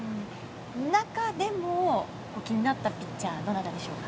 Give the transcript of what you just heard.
中でも気になったピッチャーはどなたですか？